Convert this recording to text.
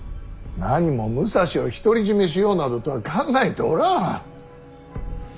なにも武蔵を独り占めしようなどとは考えておらん。